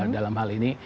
dalam hal ini